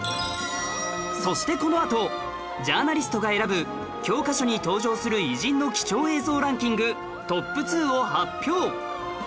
そしてこのあとジャーナリストが選ぶ教科書に登場する偉人の貴重映像ランキングトップ２を発表！